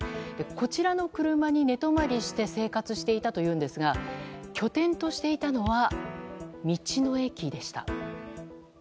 こちらの車に寝泊まりして生活していたというんですが拠点としていたのは道の駅でした。